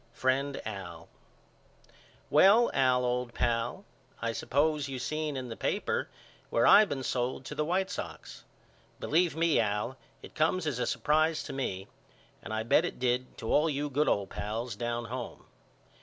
FRIEND AL: Well, Al old pal I suppose you seen in the paper where I been sold to the White Sox. Believe me Al it comes as a surprise to me and I bet it did to all you good old pals down home.